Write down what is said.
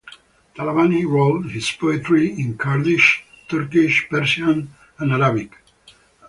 Talabani wrote his poetry in Kurdish, Turkish, Persian, and Arabic.